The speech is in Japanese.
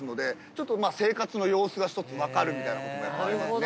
ちょっと生活の様子が１つ分かるみたいなこともありますね。